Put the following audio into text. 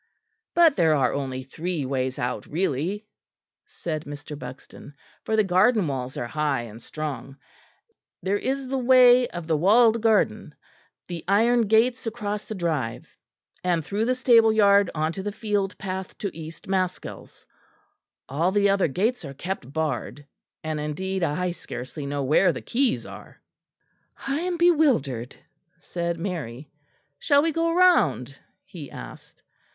"But there are only three ways out, really," said Mr. Buxton, "for the garden walls are high and strong. There is the way of the walled garden; the iron gates across the drive; and through the stable yard on to the field path to East Maskells. All the other gates are kept barred; and indeed I scarcely know where the keys are." "I am bewildered," said Mary. "Shall we go round?" he asked.